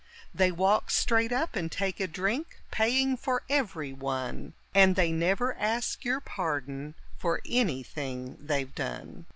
They walk straight up and take a drink, paying for every one, And they never ask your pardon for anything they've done.